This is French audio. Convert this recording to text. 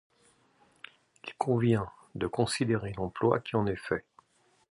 Il convient de considérer l'emploi qui en est fait.